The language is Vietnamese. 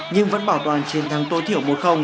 nhưng vẫn bảo toàn chiến thắng tối thiểu một